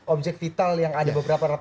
objek vital yang ada di jakarta